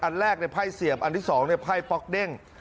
อันแรกในไพ่เสียบอันที่๒ในไพ่ป๊อกเด้ง